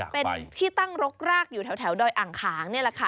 เป็นที่ตั้งรกรากอยู่แถวดอยอ่างขางนี่แหละค่ะ